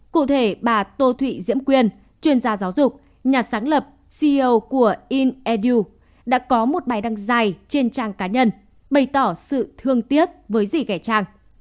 cụ thể bà tô thụy diễm quyên chuyên gia giáo dục nhà sáng lập ceo của inedu đã có một bài đăng dài trên trang cá nhân bày tỏ sự thương tiếc với dì ghẻ trang